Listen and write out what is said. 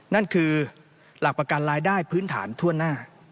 นั่นคือหลักประกันรายได้พื้นฐานทั่วหน้า